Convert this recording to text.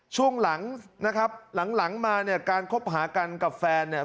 ช่วงหลังนะครับหลังหลังมาเนี่ยการคบหากันกับแฟนเนี่ย